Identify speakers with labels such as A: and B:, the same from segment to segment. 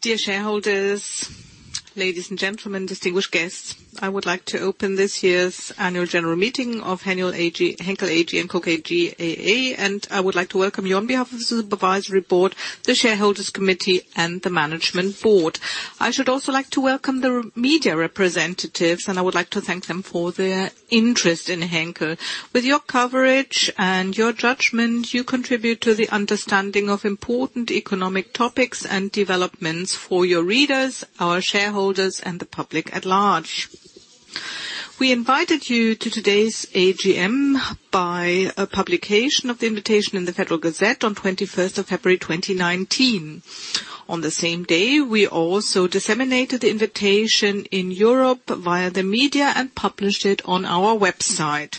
A: Dear shareholders, ladies and gentlemen, distinguished guests. I would like to open this year's annual general meeting of Henkel AG & Co. KGaA, and I would like to welcome you on behalf of the Supervisory Board, the Shareholders' Committee, and the Management Board. I should also like to welcome the media representatives, and I would like to thank them for their interest in Henkel. With your coverage and your judgment, you contribute to the understanding of important economic topics and developments for your readers, our shareholders, and the public at large. We invited you to today's AGM by a publication of the invitation in the Federal Gazette on 21st of February 2019. On the same day, we also disseminated the invitation in Europe via the media and published it on our website.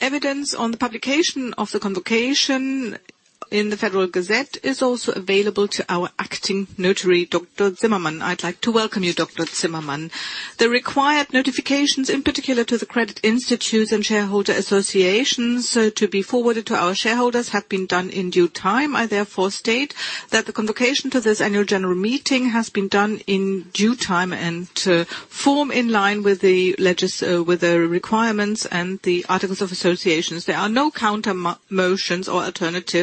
A: Evidence on the publication of the convocation in the Federal Gazette is also available to our acting notary, Dr. Zimmermann. I'd like to welcome you, Dr. Zimmermann. The required notifications, in particular to the credit institutes and shareholder associations, to be forwarded to our shareholders have been done in due time. I therefore state that the convocation to this annual general meeting has been done in due time and form in line with the requirements and the articles of associations. There are no counter motions or alternative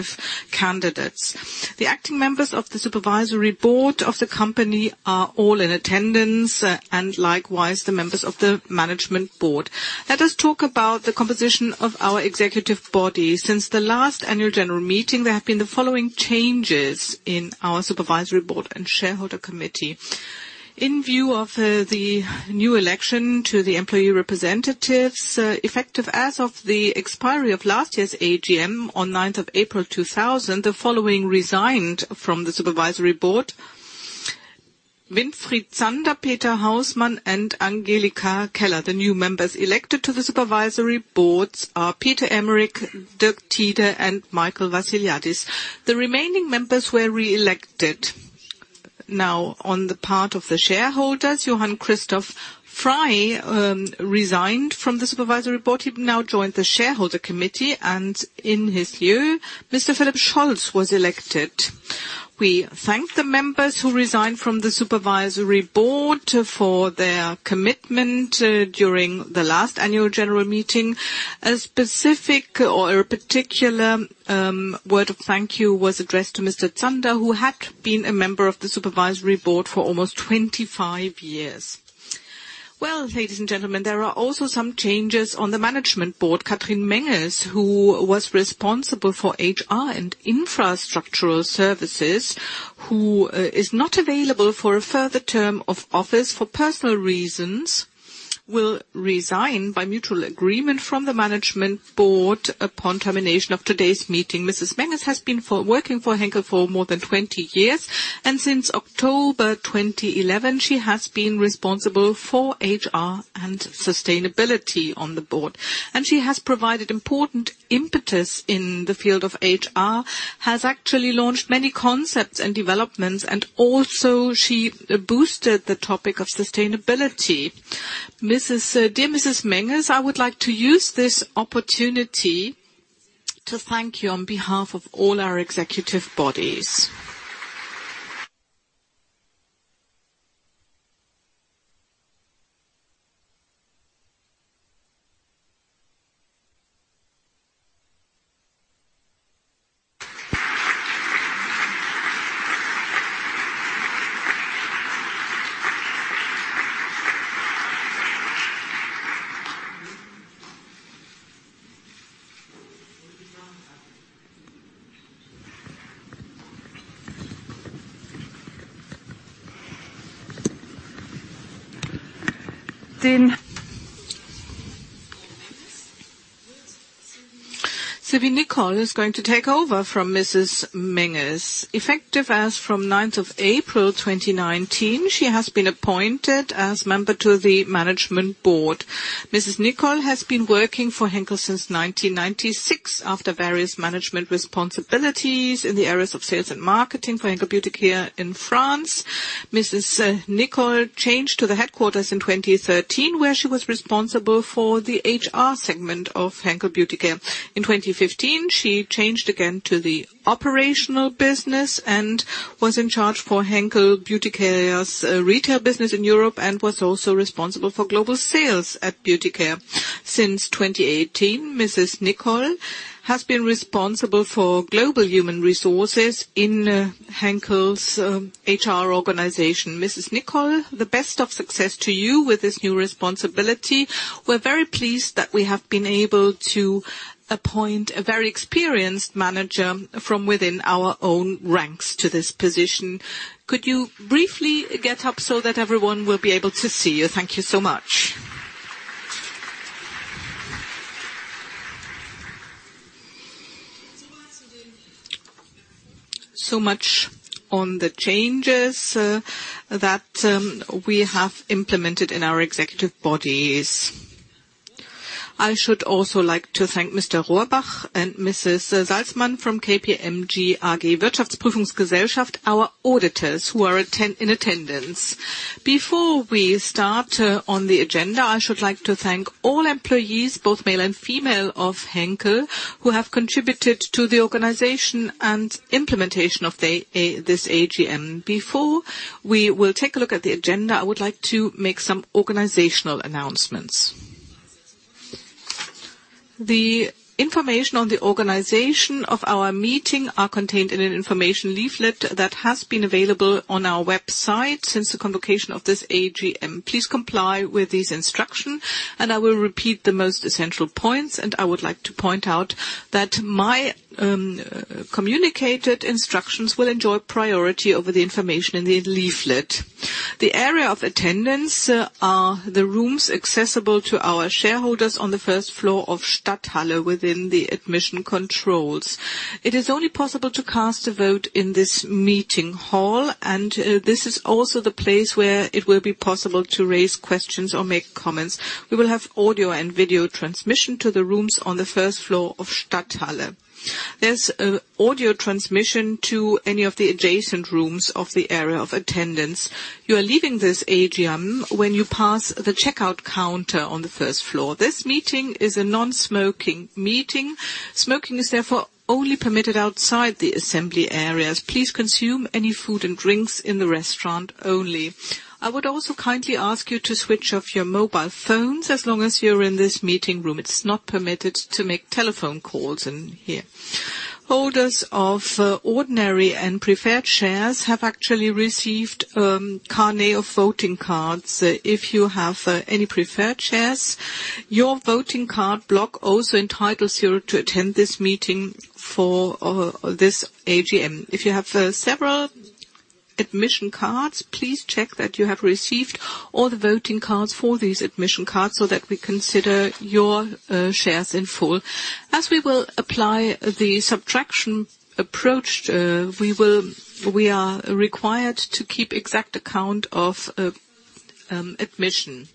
A: candidates. The acting members of the Supervisory Board of the company are all in attendance, and likewise, the members of the Management Board. Let us talk about the composition of our Executive Body. Since the last annual general meeting, there have been the following changes in our Supervisory Board and Shareholders' Committee. In view of the new election to the employee representatives, effective as of the expiry of last year's AGM on 9th of April 2000, the following resigned from the Supervisory Board: Winfried Zander, Peter Hausmann, and Angelika Keller. The new members elected to the Supervisory Board are Peter Emmerich, Dirk Thiede, and Michael Vassiliadis. The remaining members were reelected. On the part of the shareholders, Johann-Christoph Frey resigned from the Supervisory Board. He now joined the Shareholders' Committee, and in his lieu, Philipp Scholz was elected. We thank the members who resigned from the Supervisory Board for their commitment during the last annual general meeting. A specific or a particular word of thank you was addressed to Mr. Zander, who had been a member of the Supervisory Board for almost 25 years. Ladies and gentlemen, there are also some changes on the Management Board. Kathrin Menges, who was responsible for HR and infrastructural services, who is not available for a further term of office for personal reasons, will resign by mutual agreement from the Management Board upon termination of today's meeting. Kathrin Menges has been working for Henkel for more than 20 years, and since October 2011, she has been responsible for HR and sustainability on the Board. She has provided important impetus in the field of HR, has actually launched many concepts and developments, and also she boosted the topic of sustainability. Dear Kathrin Menges, I would like to use this opportunity to thank you on behalf of all our Executive Bodies. Sylvie Nicol is going to take over from Kathrin Menges. Effective as from 9th of April 2019, she has been appointed as member to the Management Board. Mrs. Nicol has been working for Henkel since 1996 after various management responsibilities in the areas of sales and marketing for Henkel Beauty Care in France. Mrs. Nicol changed to the headquarters in 2013, where she was responsible for the HR segment of Henkel Beauty Care. In 2015, she changed again to the operational business and was in charge for Henkel Beauty Care's retail business in Europe and was also responsible for global sales at Beauty Care. Since 2018, Mrs. Nicol has been responsible for global human resources in Henkel's HR organization. Mrs. Nicol, the best of success to you with this new responsibility. We're very pleased that we have been able to appoint a very experienced manager from within our own ranks to this position. Could you briefly get up so that everyone will be able to see you? Thank you so much. Much on the changes that we have implemented in our executive bodies. I should also like to thank Mr. Rohrbach and Mrs. Salzmann from KPMG AG, our auditors who are in attendance. Before we start on the agenda, I should like to thank all employees, both male and female, of Henkel who have contributed to the organization and implementation of this AGM. Before we will take a look at the agenda, I would like to make some organizational announcements. The information on the organization of our meeting are contained in an information leaflet that has been available on our website since the convocation of this AGM. Please comply with this instruction. I will repeat the most essential points. I would like to point out that my communicated instructions will enjoy priority over the information in the leaflet. The area of attendance are the rooms accessible to our shareholders on the first floor of Stadthalle within the admission controls. It is only possible to cast a vote in this meeting hall. This is also the place where it will be possible to raise questions or make comments. We will have audio and video transmission to the rooms on the first floor of Stadthalle. There's audio transmission to any of the adjacent rooms of the area of attendance. You are leaving this AGM when you pass the checkout counter on the first floor. This meeting is a non-smoking meeting. Smoking is therefore only permitted outside the assembly areas. Please consume any food and drinks in the restaurant only. I would also kindly ask you to switch off your mobile phones as long as you're in this meeting room. It's not permitted to make telephone calls in here. Holders of ordinary and preferred shares have actually received a carnet of voting cards. If you have any preferred shares, your voting card block also entitles you to attend this meeting for this AGM. If you have several admission cards, please check that you have received all the voting cards for these admission cards so that we consider your shares in full. As we will apply the subtraction approach, we are required to keep exact account of admission.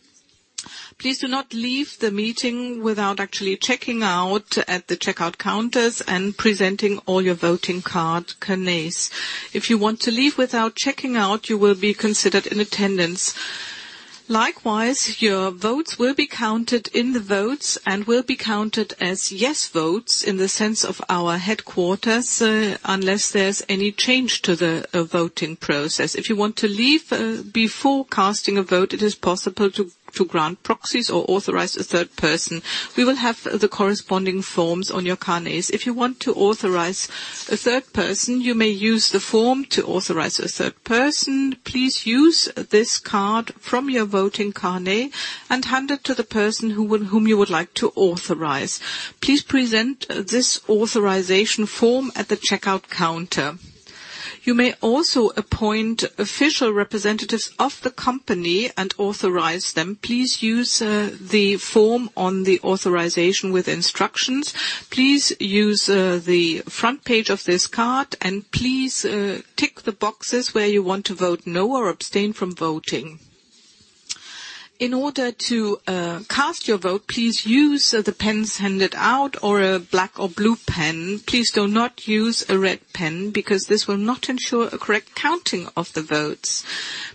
A: Please do not leave the meeting without actually checking out at the checkout counters and presenting all your voting card carnets. If you want to leave without checking out, you will be considered in attendance. Likewise, your votes will be counted in the votes and will be counted as yes votes in the sense of our headquarters, unless there's any change to the voting process. If you want to leave before casting a vote, it is possible to grant proxies or authorize a third person. We will have the corresponding forms on your carnets. If you want to authorize a third person, you may use the form to authorize a third person. Please use this card from your voting carnet and hand it to the person whom you would like to authorize. Please present this authorization form at the checkout counter. You may also appoint official representatives of the company and authorize them. Please use the form on the authorization with instructions. Please use the front page of this card and please tick the boxes where you want to vote no or abstain from voting. In order to cast your vote, please use the pens handed out or a black or blue pen. Please do not use a red pen because this will not ensure a correct counting of the votes.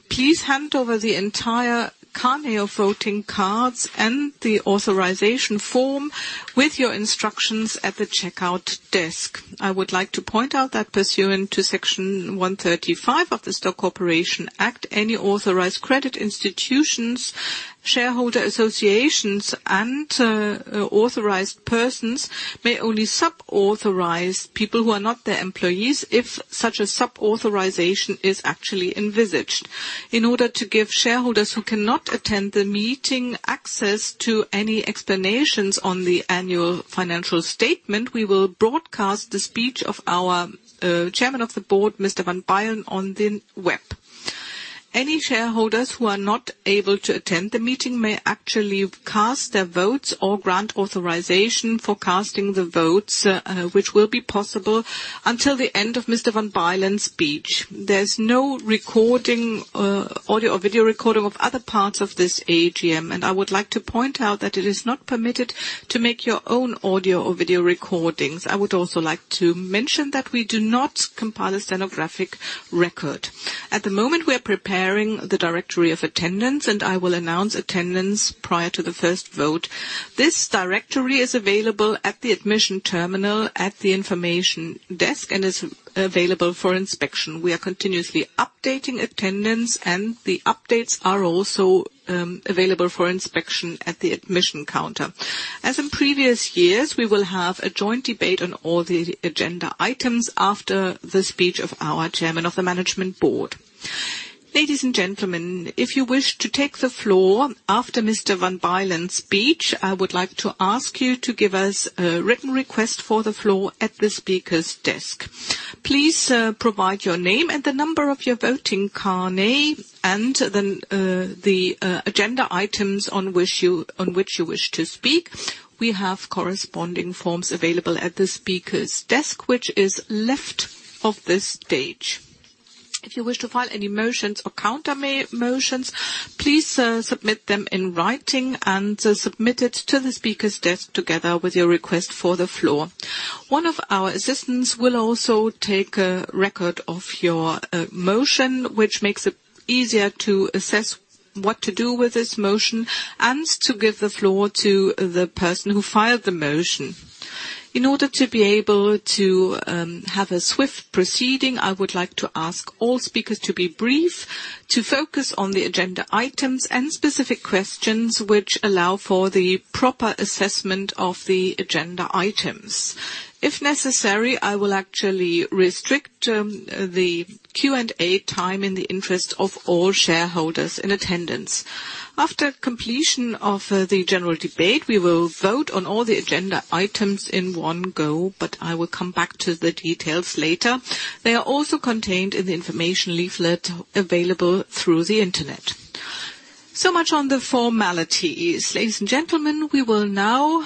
A: Please hand over the entire carnet of voting cards and the authorization form with your instructions at the checkout desk. I would like to point out that pursuant to Section 135 of the Stock Corporation Act, any authorized credit institutions, shareholder associations, and authorized persons may only sub-authorize people who are not their employees if such a sub-authorization is actually envisaged. In order to give shareholders who cannot attend the meeting access to any explanations on the annual financial statement, we will broadcast the speech of our chairman of the board, Mr. van Bylen, on the web. Any shareholders who are not able to attend the meeting may actually cast their votes or grant authorization for casting the votes, which will be possible until the end of Mr. van Bylen's speech. There's no audio or video recording of other parts of this AGM, and I would like to point out that it is not permitted to make your own audio or video recordings. I would also like to mention that we do not compile a stenographic record. At the moment, we are preparing the directory of attendance, and I will announce attendance prior to the first vote. This directory is available at the admission terminal at the information desk and is available for inspection. We are continuously updating attendance, and the updates are also available for inspection at the admission counter. As in previous years, we will have a joint debate on all the agenda items after the speech of our chairman of the management board. Ladies and gentlemen, if you wish to take the floor after Mr. van Bylen's speech, I would like to ask you to give us a written request for the floor at the speaker's desk. Please provide your name and the number of your voting carnet and the agenda items on which you wish to speak. We have corresponding forms available at the speaker's desk, which is left of the stage. If you wish to file any motions or counter motions, please submit them in writing and submit it to the speaker's desk together with your request for the floor. One of our assistants will also take a record of your motion, which makes it easier to assess what to do with this motion, and to give the floor to the person who filed the motion. In order to be able to have a swift proceeding, I would like to ask all speakers to be brief, to focus on the agenda items and specific questions which allow for the proper assessment of the agenda items. If necessary, I will actually restrict the Q&A time in the interest of all shareholders in attendance. After completion of the general debate, we will vote on all the agenda items in one go. I will come back to the details later. They are also contained in the information leaflet available through the internet. Much on the formalities. Ladies and gentlemen, we will now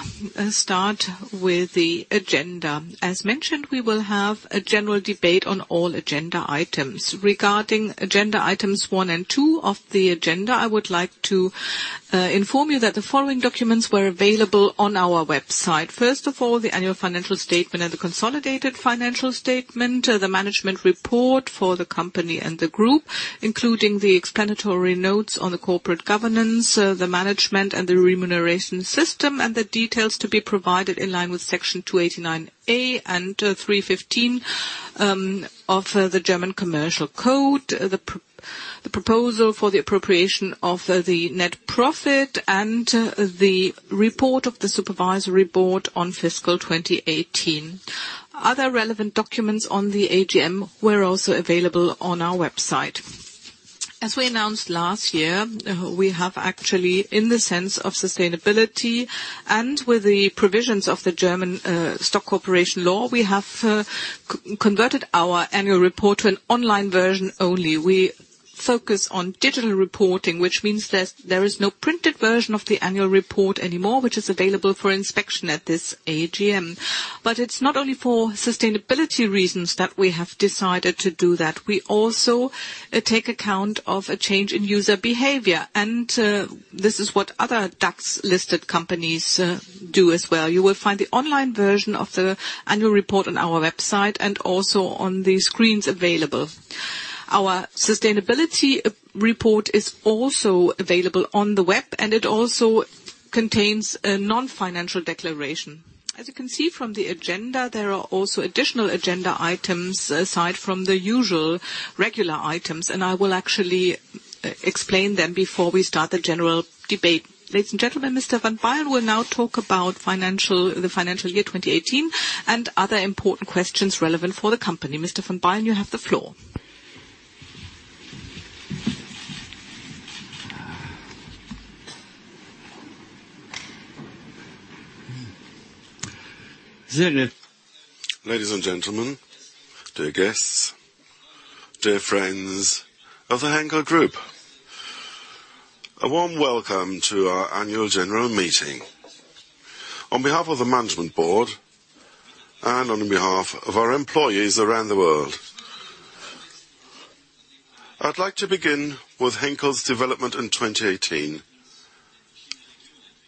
A: start with the agenda. As mentioned, we will have a general debate on all agenda items. Regarding agenda items one and two of the agenda, I would like to inform you that the following documents were available on our website. First of all, the annual financial statement and the consolidated financial statement, the management report for the company and the group, including the explanatory notes on the corporate governance, the management and the remuneration system, and the details to be provided in line with Section 289A and 315 of the German Commercial Code, the proposal for the appropriation of the net profit, and the report of the supervisory board on fiscal 2018. Other relevant documents on the AGM were also available on our website. As we announced last year, we have actually, in the sense of sustainability and with the provisions of the German Stock Corporation Law, we have converted our annual report to an online version only. We focus on digital reporting, which means there is no printed version of the annual report anymore, which is available for inspection at this AGM. It's not only for sustainability reasons that we have decided to do that. We also take account of a change in user behavior. This is what other DAX-listed companies do as well. You will find the online version of the annual report on our website and also on the screens available. Our sustainability report is also available on the web, it also contains a non-financial declaration. As you can see from the agenda, there are also additional agenda items aside from the usual regular items, I will actually explain them before we start the general debate. Ladies and gentlemen, Mr. Van Bylen will now talk about the financial year 2018 and other important questions relevant for the company. Mr. Van Bylen, you have the floor.
B: Ladies and gentlemen, dear guests, dear friends of the Henkel Group. A warm welcome to our annual general meeting on behalf of the management board and on behalf of our employees around the world. I'd like to begin with Henkel's development in 2018.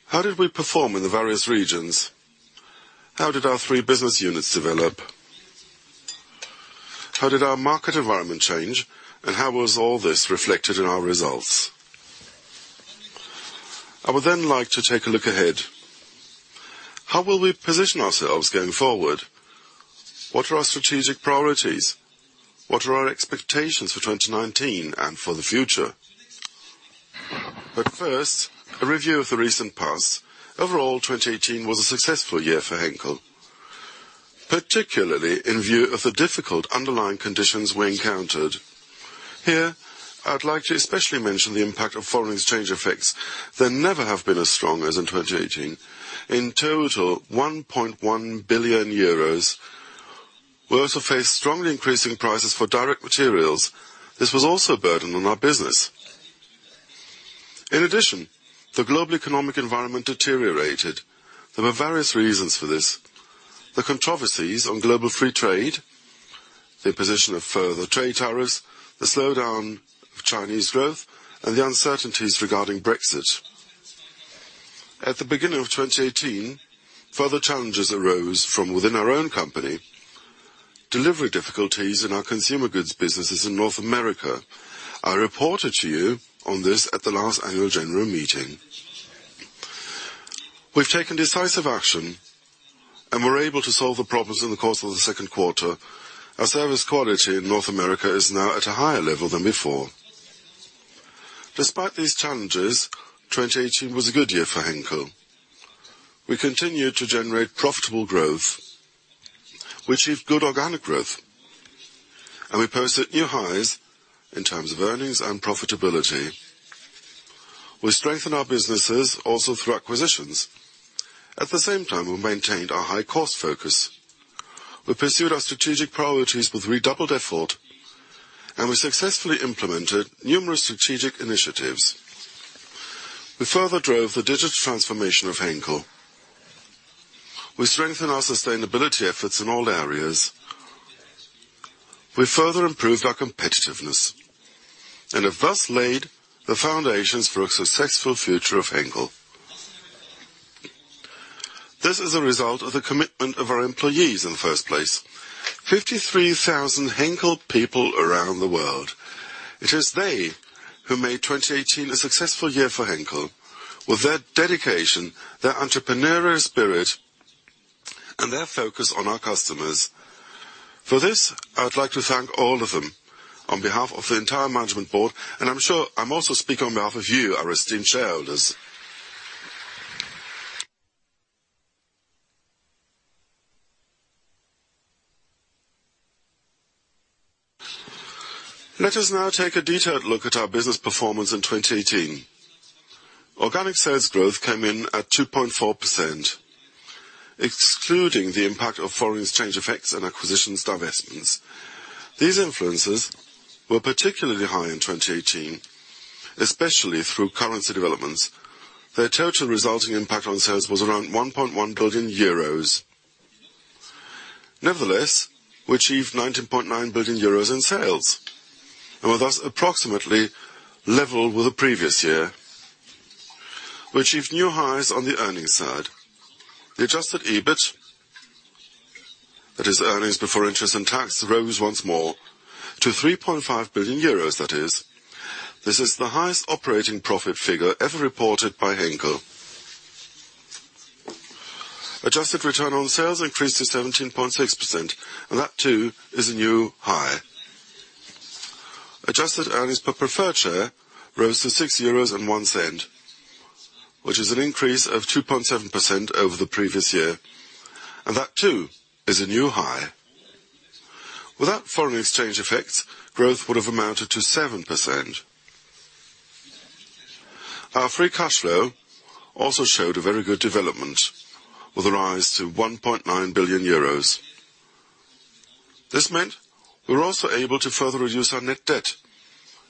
B: How did we perform in the various regions? How did our three business units develop? How did our market environment change, how was all this reflected in our results? I would like to take a look ahead. How will we position ourselves going forward? What are our strategic priorities? What are our expectations for 2019 and for the future? First, a review of the recent past. Overall, 2018 was a successful year for Henkel, particularly in view of the difficult underlying conditions we encountered. Here, I'd like to especially mention the impact of foreign exchange effects that never have been as strong as in 2018. In total, 1.1 billion euros. We also faced strongly increasing prices for direct materials. This was also a burden on our business. In addition, the global economic environment deteriorated. There were various reasons for this. The controversies on global free trade, the position of further trade tariffs, the slowdown of Chinese growth, and the uncertainties regarding Brexit. At the beginning of 2018, further challenges arose from within our own company. Delivery difficulties in our consumer goods businesses in North America. I reported to you on this at the last annual general meeting. We've taken decisive action, and were able to solve the problems in the course of the second quarter. Our service quality in North America is now at a higher level than before. Despite these challenges, 2018 was a good year for Henkel. We continued to generate profitable growth. We achieved good organic growth, and we posted new highs in terms of earnings and profitability. We strengthened our businesses also through acquisitions. At the same time, we maintained our high cost focus. We pursued our strategic priorities with redoubled effort, and we successfully implemented numerous strategic initiatives. We further drove the digital transformation of Henkel. We strengthen our sustainability efforts in all areas. We further improved our competitiveness and have thus laid the foundations for a successful future of Henkel. This is a result of the commitment of our employees in the first place. 53,000 Henkel people around the world. It is they who made 2018 a successful year for Henkel with their dedication, their entrepreneurial spirit, and their focus on our customers. For this, I would like to thank all of them on behalf of the entire Management Board, I'm sure I also speak on behalf of you, our esteemed shareholders. Let us now take a detailed look at our business performance in 2018. Organic sales growth came in at 2.4%, excluding the impact of foreign exchange effects and acquisitions divestments. These influences were particularly high in 2018, especially through currency developments. Their total resulting impact on sales was around 1.1 billion euros. Nevertheless, we achieved 19.9 billion euros in sales. With us, approximately level with the previous year. We achieved new highs on the earnings side. The adjusted EBIT, that is earnings before interest and tax, rose once more to 3.5 billion euros. This is the highest operating profit figure ever reported by Henkel. Adjusted return on sales increased to 17.6%. That too is a new high. Adjusted earnings per preferred share rose to 6.01 euros, which is an increase of 2.7% over the previous year. That too is a new high. Without foreign exchange effects, growth would have amounted to 7%. Our free cash flow also showed a very good development with a rise to 1.9 billion euros. This meant we were also able to further reduce our net debt.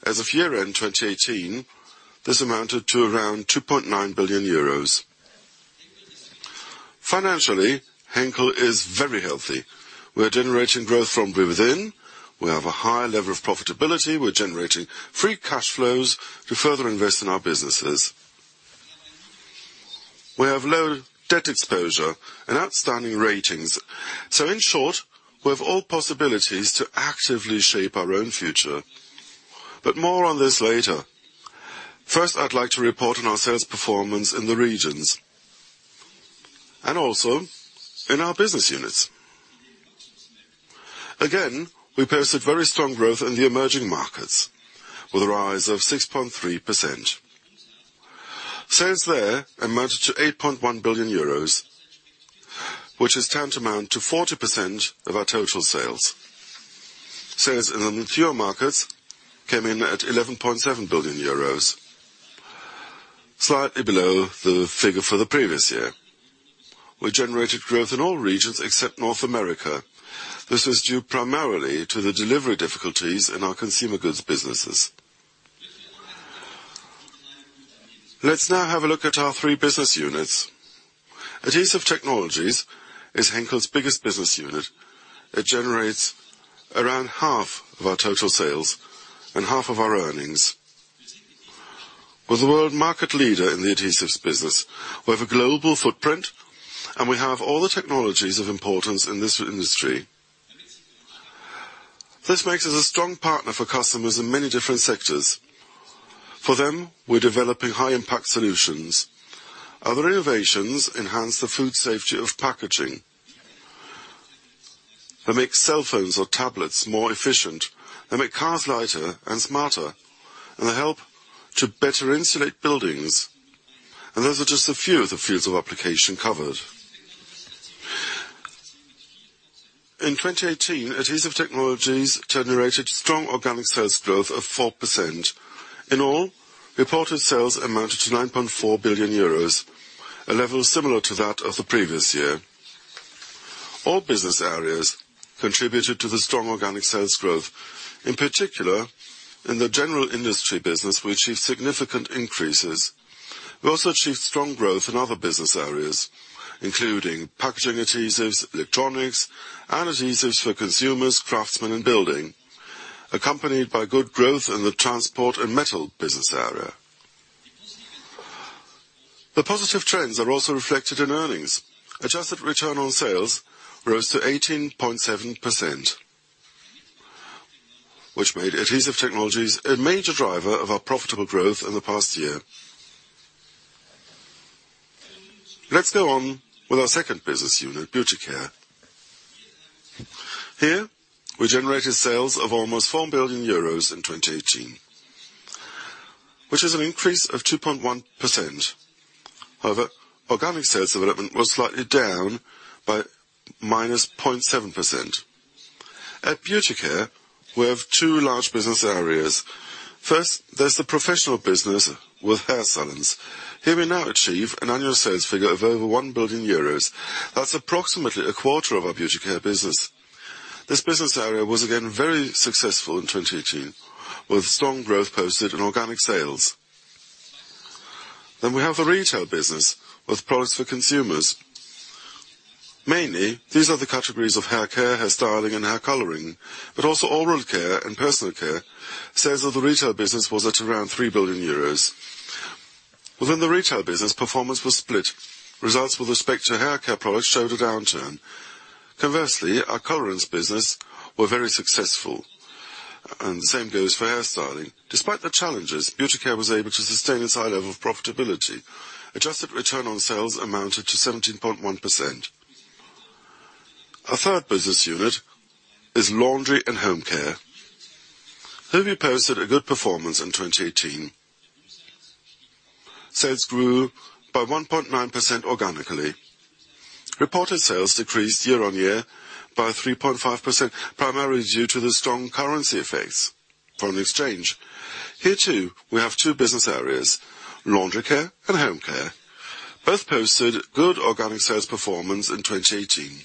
B: As of year-end 2018, this amounted to around 2.9 billion euros. Financially, Henkel is very healthy. We are generating growth from within. We have a high level of profitability. We're generating free cash flows to further invest in our businesses. We have low debt exposure and outstanding ratings. In short, we have all possibilities to actively shape our own future. More on this later. First, I'd like to report on our sales performance in the regions and also in our business units. Again, we posted very strong growth in the emerging markets with a rise of 6.3%. Sales there amounted to 8.1 billion euros, which is tantamount to 40% of our total sales. Sales in the mature markets came in at EUR 11.7 billion, slightly below the figure for the previous year. We generated growth in all regions except North America. This was due primarily to the delivery difficulties in our consumer goods businesses. Let's now have a look at our three business units. Adhesive Technologies is Henkel's biggest business unit. It generates around half of our total sales and half of our earnings. We're the world market leader in the adhesives business. We have a global footprint. We have all the technologies of importance in this industry. This makes us a strong partner for customers in many different sectors. For them, we're developing high-impact solutions. Other innovations enhance the food safety of packaging. They make cell phones or tablets more efficient. They make cars lighter and smarter. They help to better insulate buildings. Those are just a few of the fields of application covered. In 2018, Adhesive Technologies generated strong organic sales growth of 4%. In all, reported sales amounted to 9.4 billion euros, a level similar to that of the previous year. All business areas contributed to the strong organic sales growth. In particular, in the general industry business, we achieved significant increases. We also achieved strong growth in other business areas, including packaging adhesives, electronics, and adhesives for consumers, craftsmen, and building, accompanied by good growth in the transport and metal business area. The positive trends are also reflected in earnings. Adjusted return on sales rose to 18.7%, which made Adhesive Technologies a major driver of our profitable growth in the past year. Let's go on with our second business unit, Beauty Care. Here, we generated sales of almost 4 billion euros in 2018, which is an increase of 2.1%. However, organic sales development was slightly down by -0.7%. At Beauty Care, we have two large business areas. First, there's the professional business with hair salons. Here we now achieve an annual sales figure of over 1 billion euros. That's approximately a quarter of our Beauty Care business. This business area was again very successful in 2018, with strong growth posted in organic sales. We have a retail business with products for consumers. Mainly, these are the categories of haircare, hairstyling, and hair coloring, but also oral care and personal care. Sales of the retail business was at around 3 billion euros. Within the retail business, performance was split. Results with respect to haircare products showed a downturn. Conversely, our colorants business were very successful, and the same goes for hairstyling. Despite the challenges, Beauty Care was able to sustain its high level of profitability. Adjusted return on sales amounted to 17.1%. Our third business unit is Laundry and Home Care. Here we posted a good performance in 2018. Sales grew by 1.9% organically. Reported sales decreased year-on-year by 3.5%, primarily due to the strong currency effects from the exchange. Here, too, we have two business areas, Laundry Care and Home Care. Both posted good organic sales performance in 2018.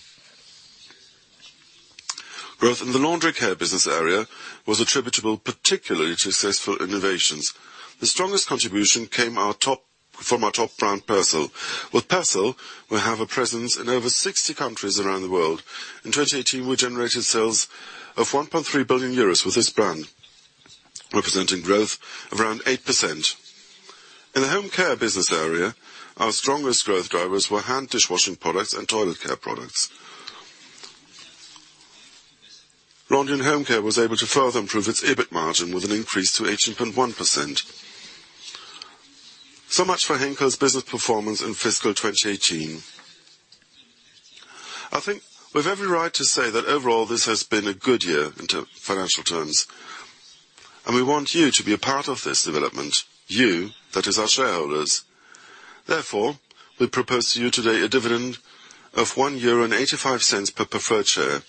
B: Growth in the Laundry Care business area was attributable particularly to successful innovations. The strongest contribution came from our top brand, Persil. With Persil, we have a presence in over 60 countries around the world. In 2018, we generated sales of 1.3 billion euros with this brand, representing growth of around 8%. In the Home Care business area, our strongest growth drivers were hand dishwashing products and toilet care products. Laundry & Home Care was able to further improve its EBIT margin with an increase to 18.1%. Much for Henkel's business performance in fiscal 2018. I think we've every right to say that overall, this has been a good year in financial terms. We want you to be a part of this development. You, that is our shareholders. Therefore, we propose to you today a dividend of 1.85 euro per preferred share.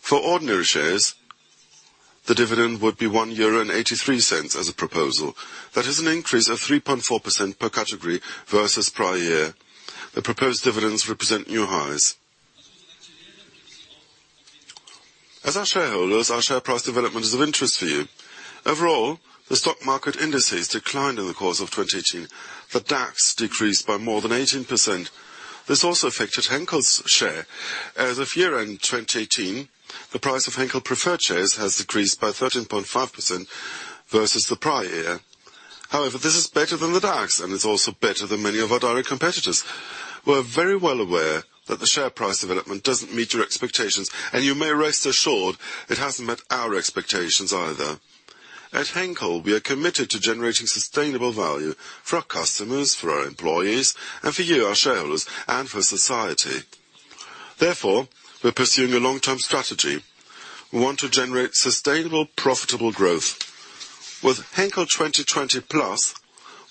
B: For ordinary shares, the dividend would be 1.83 euro as a proposal. That is an increase of 3.4% per category versus prior year. The proposed dividends represent new highs. As our shareholders, our share price development is of interest for you. Overall, the stock market indices declined in the course of 2018. The DAX decreased by more than 18%. This also affected Henkel's share. As of year-end 2018, the price of Henkel preferred shares has decreased by 13.5% versus the prior year. This is better than the DAX. It's also better than many of our direct competitors. We're very well aware that the share price development doesn't meet your expectations. You may rest assured it hasn't met our expectations either. At Henkel, we are committed to generating sustainable value for our customers, for our employees, for you, our shareholders, and for society. Therefore, we're pursuing a long-term strategy. We want to generate sustainable, profitable growth. With Henkel 2020+,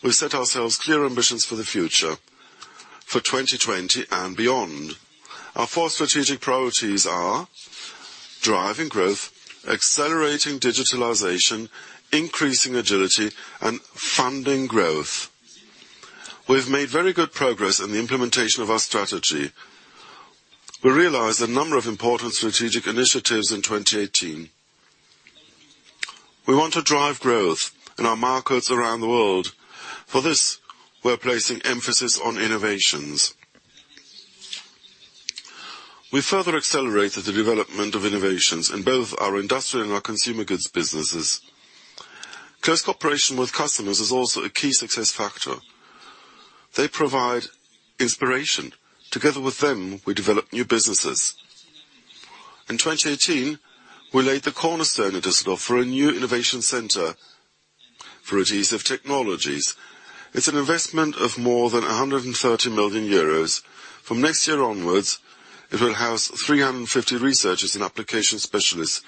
B: we set ourselves clear ambitions for the future, for 2020 and beyond. Our four strategic priorities are driving growth, accelerating digitalization, increasing agility, and funding growth. We've made very good progress in the implementation of our strategy. We realized a number of important strategic initiatives in 2018. We want to drive growth in our markets around the world. For this, we're placing emphasis on innovations. We further accelerated the development of innovations in both our industrial and our consumer goods businesses. Close cooperation with customers is also a key success factor. They provide inspiration. Together with them, we develop new businesses. In 2018, we laid the cornerstone at Düsseldorf for a new innovation center for Adhesive Technologies. It's an investment of more than 130 million euros. From next year onwards, it will house 350 researchers and application specialists.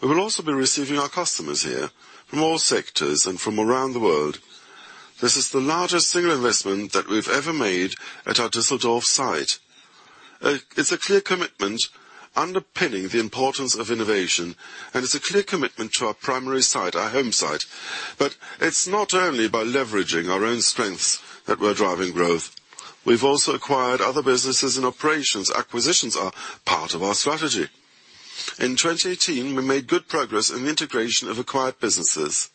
B: We will also be receiving our customers here from all sectors and from around the world. This is the largest single investment that we've ever made at our Düsseldorf site. It's a clear commitment underpinning the importance of innovation. It's a clear commitment to our primary site, our home site. It's not only by leveraging our own strengths that we're driving growth. We've also acquired other businesses and operations. Acquisitions are part of our strategy. In 2018, we made good progress in the integration of acquired businesses.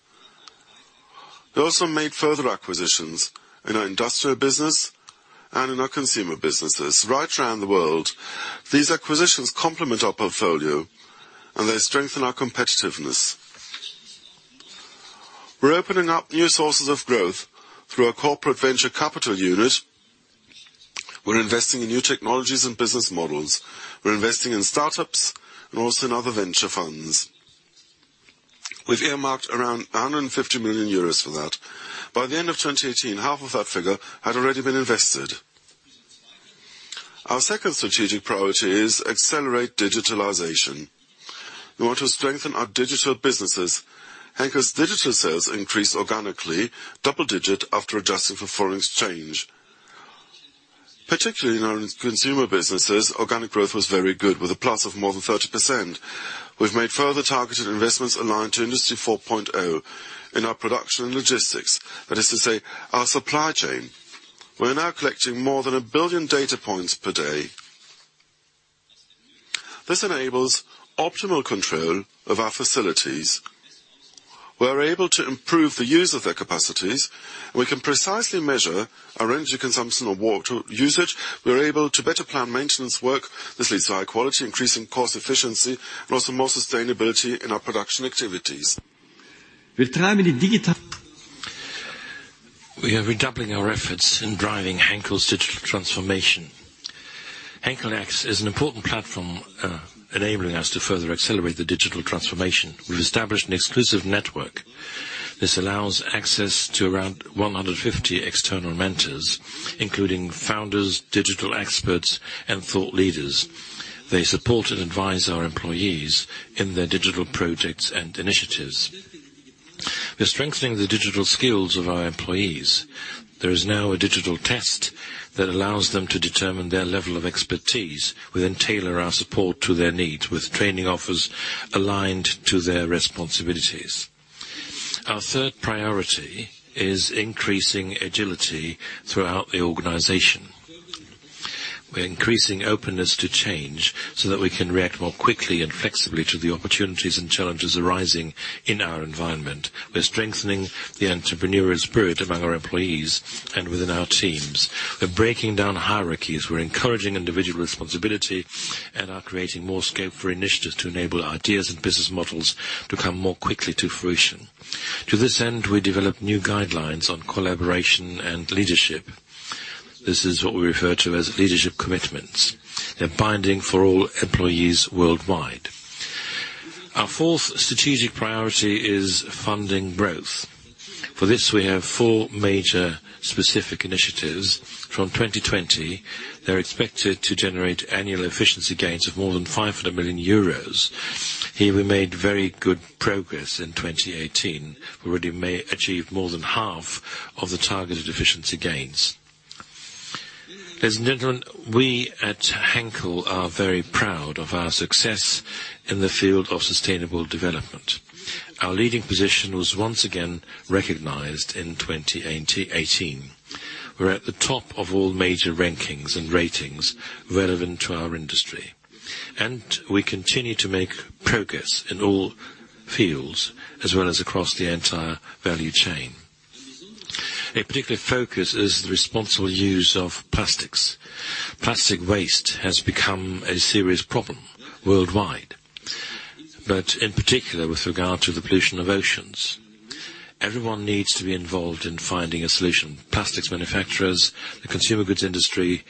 B: We also made further acquisitions in our industrial business and in our consumer businesses right around the world. These acquisitions complement our portfolio. They strengthen our competitiveness. We're opening up new sources of growth through our corporate venture capital unit. We're investing in new technologies and business models. We're investing in startups and also in other venture funds. We've earmarked around 150 million euros for that. By the end of 2018, half of that figure had already been invested. Our second strategic priority is accelerate digitalization. We want to strengthen our digital businesses. Henkel's digital sales increased organically double-digit after adjusting for foreign exchange. Particularly in our consumer businesses, organic growth was very good with a plus of more than 30%. We've made further targeted investments aligned to Industry 4.0 in our production and logistics. That is to say, our supply chain. We're now collecting more than 1 billion data points per day. This enables optimal control of our facilities. We are able to improve the use of their capacities, and we can precisely measure our energy consumption or water usage. We are able to better plan maintenance work. This leads to high quality, increasing cost efficiency, and also more sustainability in our production activities. We are redoubling our efforts in driving Henkel's digital transformation. Henkel X is an important platform enabling us to further accelerate the digital transformation. We've established an exclusive network. This allows access to around 150 external mentors, including founders, digital experts, and thought leaders. They support and advise our employees in their digital projects and initiatives. We're strengthening the digital skills of our employees. There is now a digital test that allows them to determine their level of expertise. We then tailor our support to their needs with training offers aligned to their responsibilities. Our third priority is increasing agility throughout the organization. We're increasing openness to change so that we can react more quickly and flexibly to the opportunities and challenges arising in our environment. We're strengthening the entrepreneurial spirit among our employees and within our teams. We're breaking down hierarchies. We're encouraging individual responsibility and are creating more scope for initiatives to enable ideas and business models to come more quickly to fruition. To this end, we develop new guidelines on collaboration and leadership. This is what we refer to as Leadership Commitments. They're binding for all employees worldwide. Our fourth strategic priority is funding growth. For this, we have four major specific initiatives. From 2020, they're expected to generate annual efficiency gains of more than 500 million euros. Here, we made very good progress in 2018. We already achieved more than half of the targeted efficiency gains. Ladies and gentlemen, we at Henkel are very proud of our success in the field of sustainable development. Our leading position was once again recognized in 2018. We're at the top of all major rankings and ratings relevant to our industry. We continue to make progress in all fields as well as across the entire value chain. A particular focus is the responsible use of plastics. Plastic waste has become a serious problem worldwide, but in particular with regard to the pollution of oceans. Everyone needs to be involved in finding a solution. Plastics manufacturers, the consumer goods industry,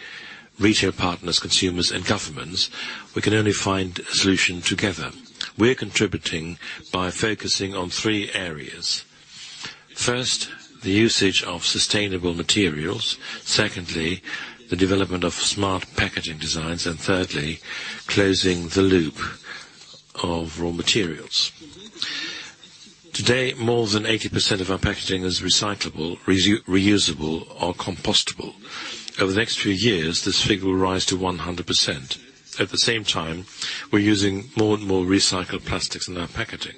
B: retail partners, consumers, and governments. We can only find a solution together. We're contributing by focusing on three areas. First, the usage of sustainable materials. Secondly, the development of smart packaging designs. Thirdly, closing the loop of raw materials. Today, more than 80% of our packaging is recyclable, reusable, or compostable. Over the next few years, this figure will rise to 100%. At the same time, we're using more and more recycled plastics in our packaging.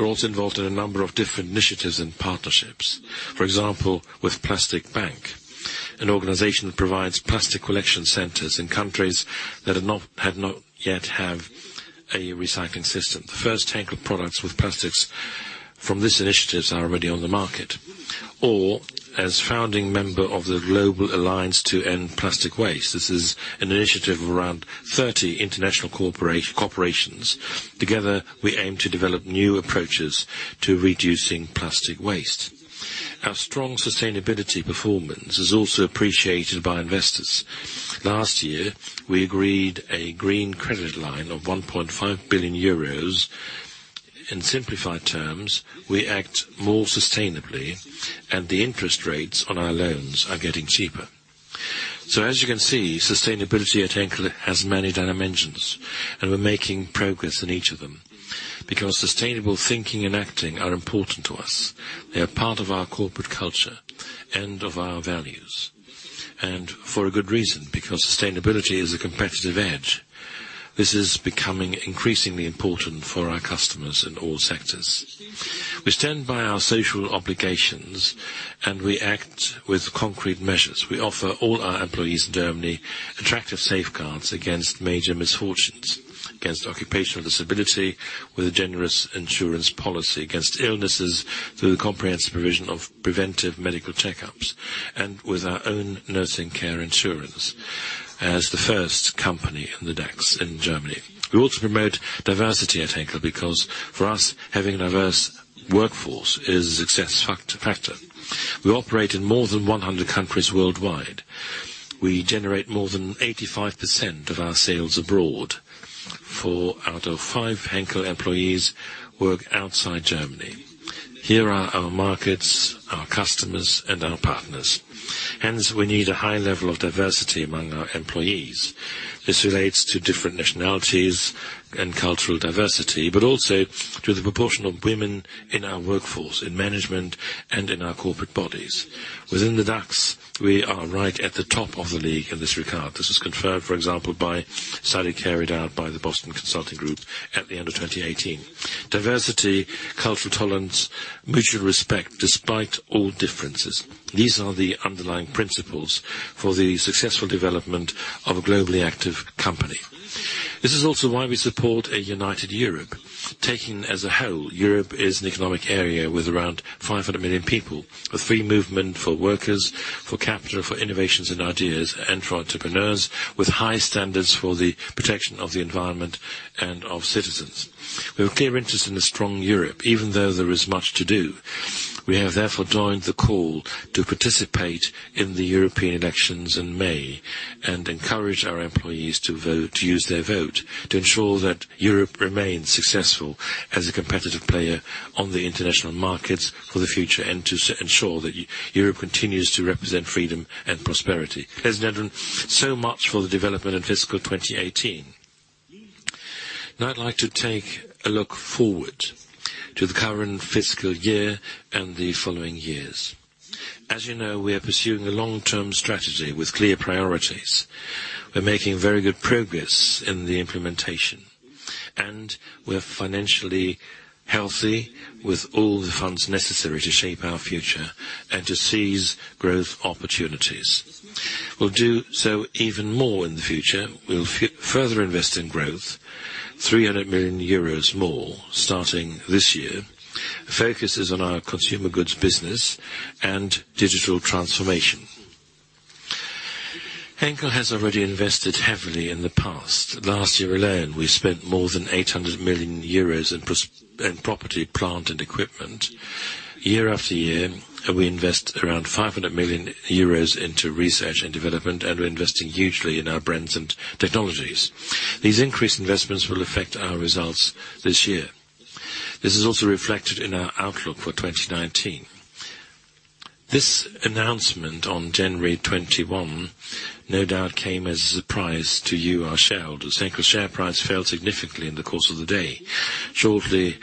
B: We're also involved in a number of different initiatives and partnerships. For example, with Plastic Bank, an organization that provides plastic collection centers in countries that have not yet have a recycling system. The first Henkel products with plastics from these initiatives are already on the market. Or as founding member of the Global Alliance to End Plastic Waste. This is an initiative of around 30 international corporations. Together, we aim to develop new approaches to reducing plastic waste. Our strong sustainability performance is also appreciated by investors. Last year, we agreed a green credit line of 1.5 billion euros. In simplified terms, we act more sustainably, and the interest rates on our loans are getting cheaper. As you can see, sustainability at Henkel has many dimensions, and we're making progress in each of them because sustainable thinking and acting are important to us. They are part of our corporate culture and of our values. For a good reason, because sustainability is a competitive edge. This is becoming increasingly important for our customers in all sectors. We stand by our social obligations, and we act with concrete measures. We offer all our employees in Germany attractive safeguards against major misfortunes, against occupational disability with a generous insurance policy, against illnesses through the comprehensive provision of preventive medical checkups. With our own nursing care insurance as the first company in the DAX in Germany. We also promote diversity at Henkel because, for us, having a diverse workforce is a success factor. We operate in more than 100 countries worldwide. We generate more than 85% of our sales abroad. Four out of five Henkel employees work outside Germany. Here are our markets, our customers, and our partners. Hence, we need a high level of diversity among our employees. This relates to different nationalities and cultural diversity, but also to the proportion of women in our workforce, in management, and in our corporate bodies. Within the DAX, we are right at the top of the league in this regard. This is confirmed, for example, by a study carried out by the Boston Consulting Group at the end of 2018. Diversity, cultural tolerance, mutual respect despite all differences. These are the underlying principles for the successful development of a globally active company. This is also why we support a united Europe. Taken as a whole, Europe is an economic area with around 500 million people. With free movement for workers, for capital, for innovations and ideas, and for entrepreneurs, with high standards for the protection of the environment and of citizens. We have a clear interest in a strong Europe, even though there is much to do. We have therefore joined the call to participate in the European elections in May, and encourage our employees to use their vote to ensure that Europe remains successful as a competitive player on the international markets for the future, and to ensure that Europe continues to represent freedom and prosperity. Much for the development in fiscal 2018. Now I'd like to take a look forward to the current fiscal year and the following years. As you know, we are pursuing a long-term strategy with clear priorities. We're making very good progress in the implementation. We're financially healthy with all the funds necessary to shape our future and to seize growth opportunities. We'll do so even more in the future. We'll further invest in growth, 300 million euros more starting this year. The focus is on our consumer goods business and digital transformation. Henkel has already invested heavily in the past. Last year alone, we spent more than 800 million euros in property, plant, and equipment. Year after year, we invest around 500 million euros into research and development. We're investing hugely in our brands and technologies. These increased investments will affect our results this year. This is also reflected in our outlook for 2019. This announcement on January 21, no doubt came as a surprise to you, our shareholders. Henkel's share price fell significantly in the course of the day. Shortly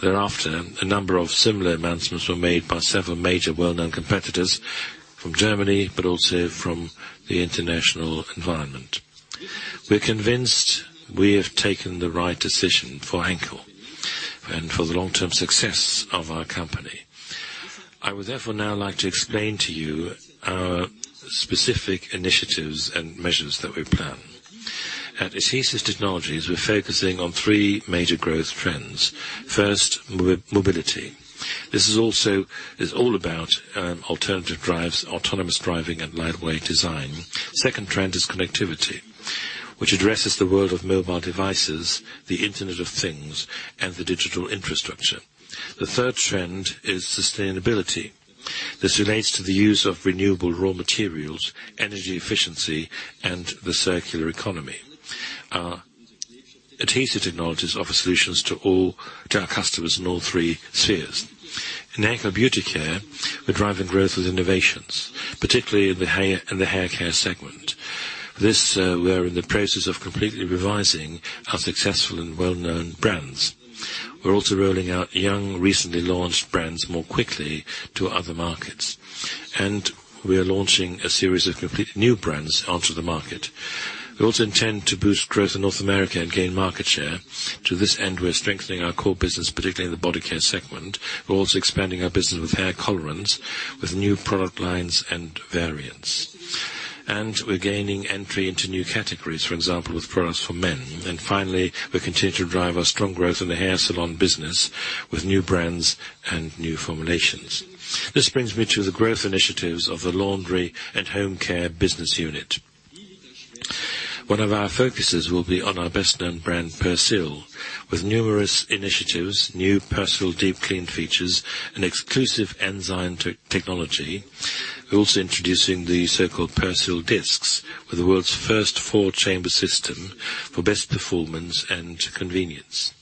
B: thereafter, a number of similar announcements were made by several major well-known competitors from Germany. Also from the international environment. We're convinced we have taken the right decision for Henkel and for the long-term success of our company. I would therefore now like to explain to you our specific initiatives and measures that we plan. At Adhesive Technologies, we're focusing on three major growth trends. First, mobility. This is all about alternative drives, autonomous driving, and lightweight design. Second trend is connectivity, which addresses the world of mobile devices, the Internet of Things, and the digital infrastructure. The third trend is sustainability. This relates to the use of renewable raw materials, energy efficiency, and the circular economy. Our Adhesive Technologies offer solutions to our customers in all three spheres. In Henkel Beauty Care, we're driving growth with innovations, particularly in the haircare segment. This, we're in the process of completely revising our successful and well-known brands. We're also rolling out young, recently launched brands more quickly to other markets. We are launching a series of completely new brands onto the market. We also intend to boost growth in North America and gain market share. To this end, we're strengthening our core business, particularly in the body care segment. We're also expanding our business with hair colorants, with new product lines and variants. We're gaining entry into new categories, for example, with products for men. Finally, we continue to drive our strong growth in the hair salon business with new brands and new formulations. This brings me to the growth initiatives of the Laundry & Home Care business unit. One of our focuses will be on our best-known brand, Persil, with numerous initiatives, new Persil deep clean features, and exclusive enzyme technology. We're also introducing the so-called Persil DISCS, with the world's first four-chamber system for best performance and convenience.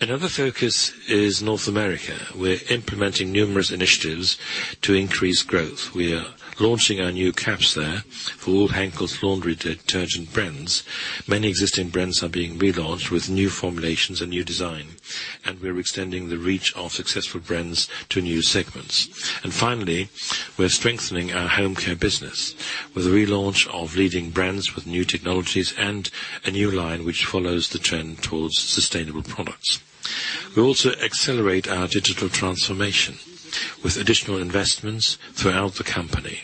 B: Another focus is North America. We're implementing numerous initiatives to increase growth. We are launching our new caps there for all Henkel's laundry detergent brands. Many existing brands are being relaunched with new formulations and new design. We're extending the reach of successful brands to new segments. Finally, we're strengthening our home care business with a relaunch of leading brands with new technologies and a new line which follows the trend towards sustainable products. We also accelerate our digital transformation with additional investments throughout the company.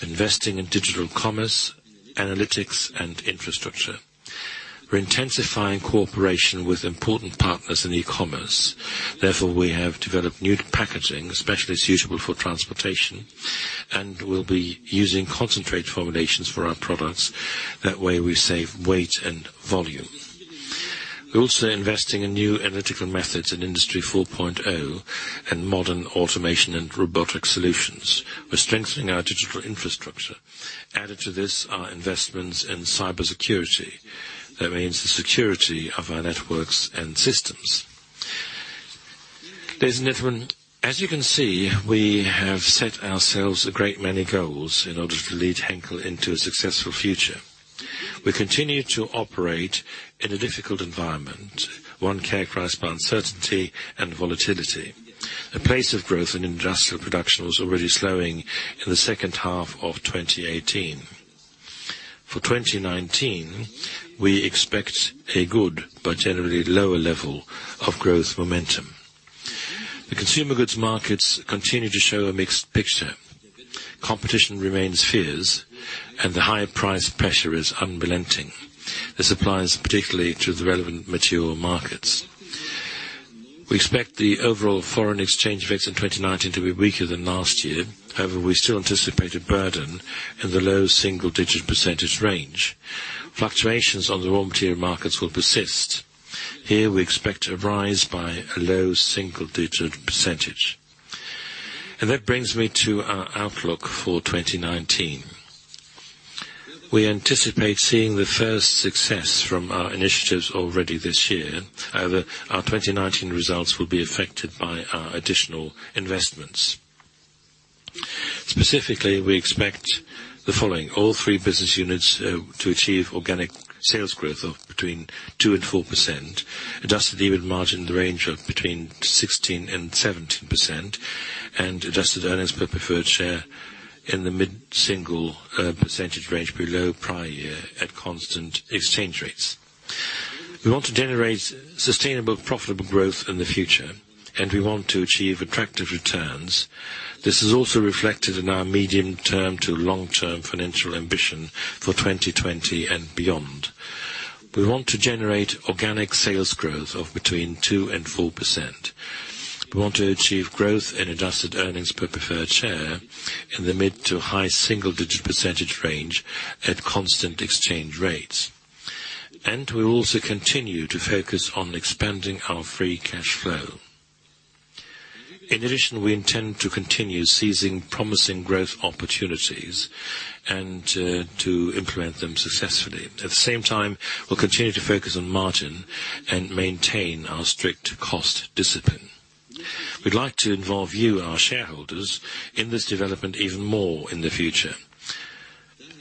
B: Investing in digital commerce, analytics, and infrastructure. We're intensifying cooperation with important partners in e-commerce. Therefore, we have developed new packaging, especially suitable for transportation. We'll be using concentrate formulations for our products. That way, we save weight and volume. We're also investing in new analytical methods in Industry 4.0 and modern automation and robotic solutions. We're strengthening our digital infrastructure. Added to this are investments in cybersecurity. That means the security of our networks and systems. As you can see, we have set ourselves a great many goals in order to lead Henkel into a successful future. We continue to operate in a difficult environment, one characterized by uncertainty and volatility. The pace of growth in industrial production was already slowing in the second half of 2018. For 2019, we expect a good but generally lower level of growth momentum. The consumer goods markets continue to show a mixed picture. Competition remains fierce and the high price pressure is unrelenting. This applies particularly to the relevant material markets. We expect the overall foreign exchange effects in 2019 to be weaker than last year. However, we still anticipate a burden in the low single-digit percentage range. Fluctuations on the raw material markets will persist. Here we expect a rise by a low single-digit percentage. That brings me to our outlook for 2019. We anticipate seeing the first success from our initiatives already this year. However, our 2019 results will be affected by our additional investments. Specifically, we expect the following. All three business units to achieve organic sales growth of between 2% and 4%, adjusted EBIT margin in the range of between 16% and 17%, and adjusted earnings per preferred share in the mid-single percentage range below prior year at constant exchange rates. We want to generate sustainable profitable growth in the future, and we want to achieve attractive returns. This is also reflected in our medium term to long-term financial ambition for 2020 and beyond. We want to generate organic sales growth of between 2% and 4%. We want to achieve growth in adjusted earnings per preferred share in the mid to high single-digit percentage range at constant exchange rates. We will also continue to focus on expanding our free cash flow. In addition, we intend to continue seizing promising growth opportunities and to implement them successfully. At the same time, we'll continue to focus on margin and maintain our strict cost discipline. We'd like to involve you, our shareholders, in this development even more in the future.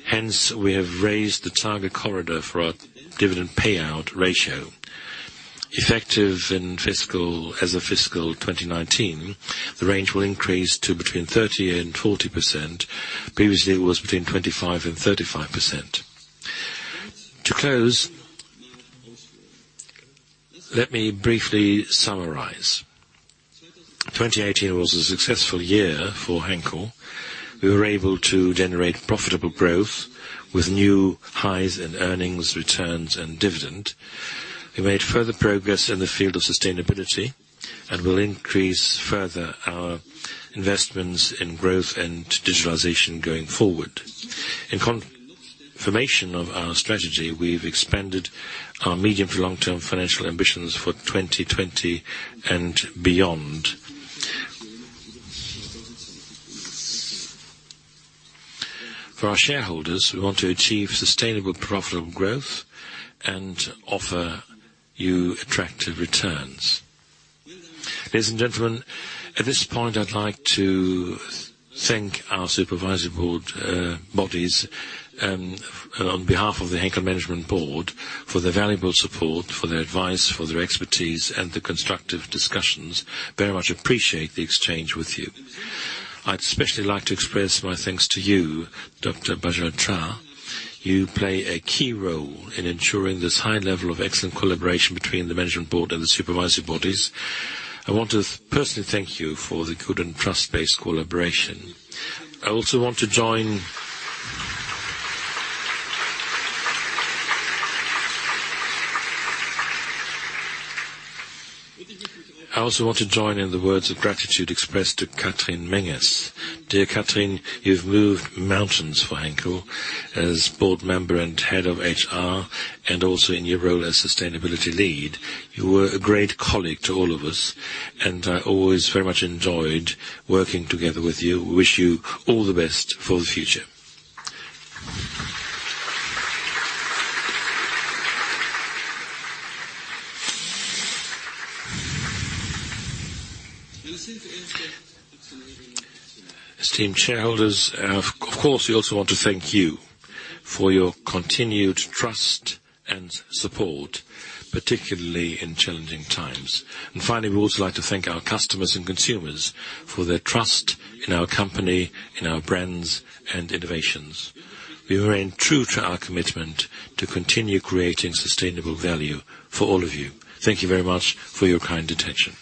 B: Hence, we have raised the target corridor for our dividend payout ratio. Effective as of fiscal 2019, the range will increase to between 30% and 40%. Previously, it was between 25% and 35%. To close, let me briefly summarize. 2018 was a successful year for Henkel. We were able to generate profitable growth with new highs in earnings, returns, and dividend. We made further progress in the field of sustainability and will increase further our investments in growth and digitalization going forward. In confirmation of our strategy, we've expanded our medium to long-term financial ambitions for 2020 and beyond. For our shareholders, we want to achieve sustainable profitable growth and offer you attractive returns. Ladies and gentlemen, at this point, I'd like to thank our supervisory board bodies on behalf of the Henkel Management Board for their valuable support, for their advice, for their expertise, and the constructive discussions. Very much appreciate the exchange with you. I'd especially like to express my thanks to you, Dr. Bagel-Trah. You play a key role in ensuring this high level of excellent collaboration between the management board and the supervisory bodies. I want to personally thank you for the good and trust-based collaboration. I also want to join in the words of gratitude expressed to Kathrin Menges. Dear Kathrin, you've moved mountains for Henkel as board member and head of HR, and also in your role as sustainability lead. You were a great colleague to all of us, and I always very much enjoyed working together with you. Wish you all the best for the future. Esteemed shareholders, of course, we also want to thank you for your continued trust and support, particularly in challenging times. Finally, we would also like to thank our customers and consumers for their trust in our company, in our brands, and innovations. We remain true to our commitment to continue creating sustainable value for all of you. Thank you very much for your kind attention.